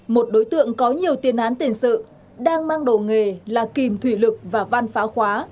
một đối tượng có nhiều tiên án tền sự đang mang đồ nghề là kìm thủy lực và van phá khóa